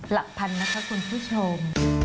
หลักพันนะคะคุณผู้ชม